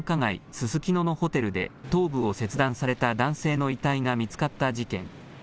ススキノのホテルで頭部を切断された男性の遺体が見つかった事件。